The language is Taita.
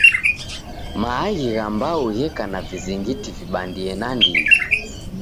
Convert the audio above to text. Maaghi gha mbau gheka na vizingiti vibandie nandighi.